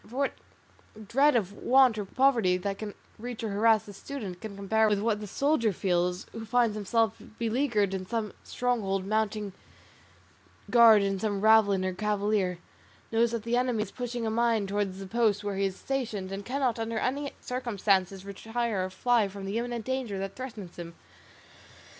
For what dread of want or poverty that can reach or harass the student can compare with what the soldier feels, who finds himself beleaguered in some stronghold mounting guard in some ravelin or cavalier, knows that the enemy is pushing a mine towards the post where he is stationed, and cannot under any circumstances retire or fly from the imminent danger that threatens him?